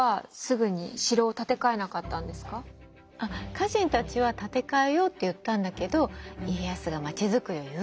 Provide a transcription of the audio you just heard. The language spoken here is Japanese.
家臣たちは建て替えようって言ったんだけど家康がまちづくりを優先したの。